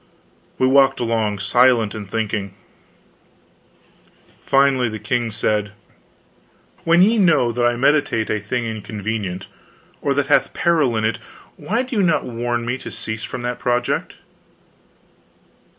We walked along, silent and thinking. Finally the king said: "When ye know that I meditate a thing inconvenient, or that hath a peril in it, why do you not warn me to cease from that project?"